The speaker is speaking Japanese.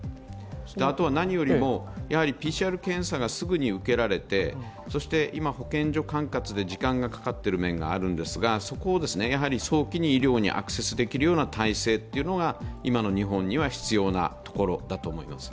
何よりも、ＰＣＲ検査がすぐに受けられて、今、保健所管轄で時間がかかっている面があるんですがそこを早期に医療にアクセスできるような体制というのが今の日本には必要なところだと思います。